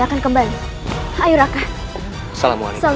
akan kembali ayo raka salamualaikum salam